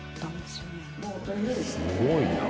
すごいな。